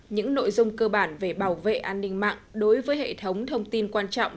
những nội dung cơ bản về bảo vệ an ninh mạng đối với hệ thống thông tin quan trọng